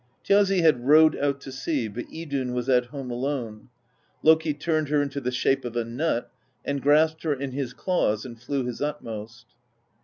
Thjazi had rowed out to sea, but Idunn was at home alone: Loki turned her into the shape of a nut and grasped her in his claws and flew his utmost.